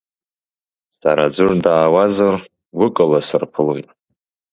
Сара аӡәыр даауазар, гәыкала сырԥылоит…